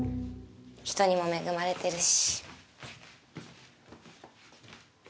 人にも恵まれてるし。